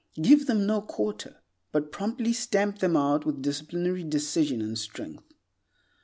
Give them no quarter, but promptly stamp them out with disciplinary decision and strength.